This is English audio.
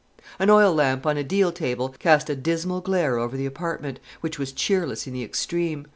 An oil lamp on a deal table cast a dismal glare over the apartment, which was cheerless in the extreme.